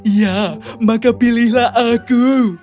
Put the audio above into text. ya maka pilihlah aku